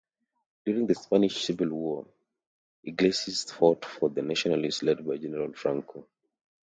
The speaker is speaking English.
During the Spanish Civil War, Iglesias fought for the Nationalists led by General Franco.